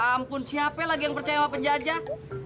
ampun siapa lagi yang percaya sama penjajah